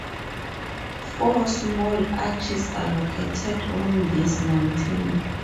Four small arches are located on this mountain.